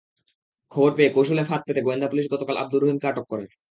খবর পেয়ে কৌশলে ফাঁদ পেতে গোয়েন্দা পুলিশ গতকাল আবদুর রহিমকে আটক করে।